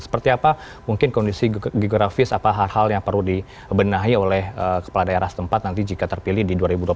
seperti apa mungkin kondisi geografis apa hal hal yang perlu dibenahi oleh kepala daerah setempat nanti jika terpilih di dua ribu dua puluh empat